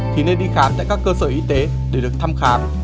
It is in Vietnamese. thì nên đi khám tại các cơ sở y tế để được thăm khám